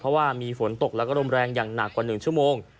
เพราะว่ามีฝนตกแล้วก็ลมแรงอย่างหนักกว่า๑ชั่วโมง